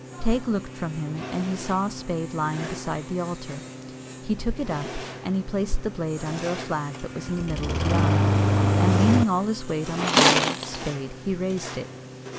Teig looked from him, and he saw a spade lying beside the altar. He took it up, and he placed the blade under a flag that was in the middle of the aisle, and leaning all his weight on the handle of the spade, he raised it.